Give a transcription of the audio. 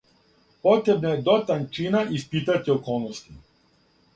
Potrebno je do tančina ispitati okolnosti.